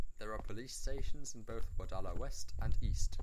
There are police stations in both Wadala West and East.